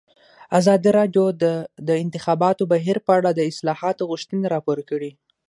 ازادي راډیو د د انتخاباتو بهیر په اړه د اصلاحاتو غوښتنې راپور کړې.